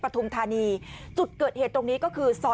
กลุ่มหนึ่งก็คือ